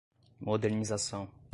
modernização